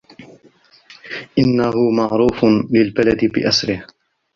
إنه معروف للبلد بأسره.